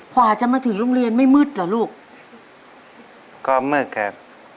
กว่าจะมาถึงโรงเรียนไม่มืดเหรอลูกก็มืดครับ